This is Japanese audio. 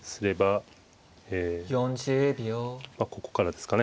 ここからですかね。